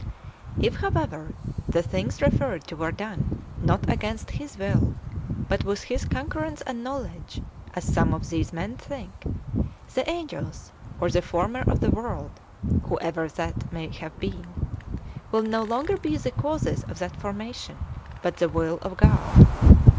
3. If, however, [the things referred to were done] not against His will, but with His concurrence and knowledge, as some [of these men] think, the angels, or the Former of the world [whoever that may have been], will no longer be the causes of that formation, but the will of God.